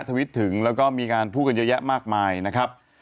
ทวิตถึงแล้วก็มีการพูดกันเยอะแยะมากมายนะครับ